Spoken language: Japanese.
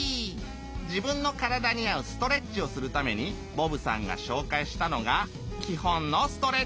じぶんのからだにあうストレッチをするためにボブさんがしょうかいしたのがきほんのストレッチだのぉり！